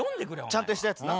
ちゃんとしたやつな。